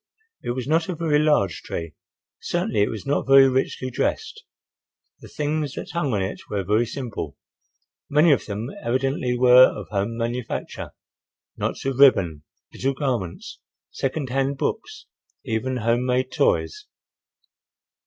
It was not a very large tree; certainly it was not very richly dressed. The things that hung on it were very simple. Many of them evidently were of home manufacture—knots of ribbon, little garments, second hand books, even home made toys.